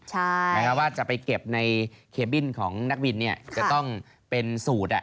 หมายความว่าจะไปเก็บในเคบินของนักบินจะต้องเป็นสูตร